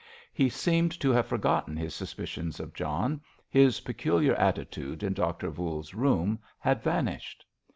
He seemed to have forgotten his suspicions of John, his peculiar attitude in Doctor Voules's room had vanished.